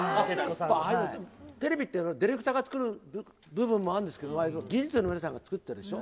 ああいうのって、テレビってディレクターが作る部分もあるんですけど、技術の皆さんが作ってるでしょ。